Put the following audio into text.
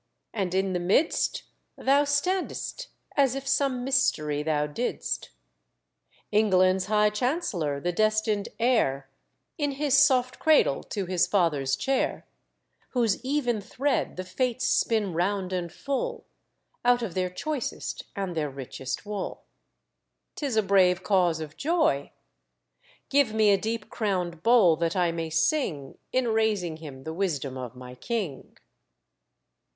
and in the midst Thou stand'st as if some mystery thou didst. "England's High Chancellor, the destined heir, In his soft cradle to his father's chair, Whose even thread the Fates spin round and full, Out of their choicest and their richest wool. 'Tis a brave cause of joy. Give me a deep crowned bowl, that I may sing, In raising him, the wisdom of my king."